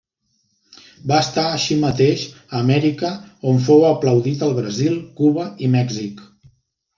Va estar així mateix a Amèrica, on fou aplaudit al Brasil, Cuba i Mèxic.